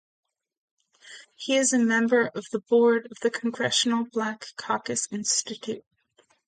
He is a member of the board of the Congressional Black Caucus Institute.